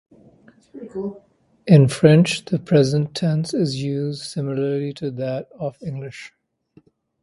In French, the present tense is used similarly to that of English.